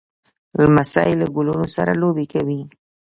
لمسی له ګلونو سره لوبې کوي.